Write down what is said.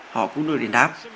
họ cũng đưa đến đáp